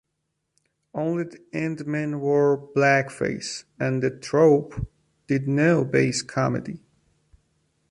Only the endmen wore blackface, and the troupe did no base comedy.